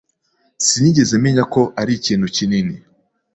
Sinigeze menya ko ari ikintu kinini.